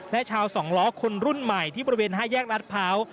และชาวสองล้อคนรุ่นใหม่ที่บริเวณ๕แยกรัฐพร้าว